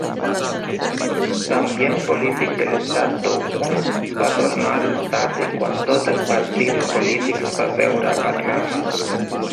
L'ambient polític de l'estat d'Ogun es va tornar estàtic quan tots els partits polítics va seure a parlar.